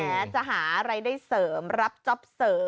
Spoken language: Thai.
แหละจะหาอะไรได้เสริมรับจอบเสริม